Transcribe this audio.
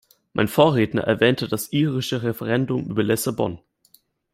Mein Vorredner erwähnte das irische Referendum über Lissabon.